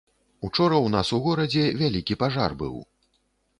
Учора ў нас у горадзе вялікі пажар быў.